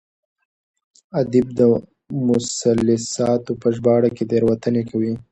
ادیب د مثلثاتو په ژباړه کې تېروتنې کوي.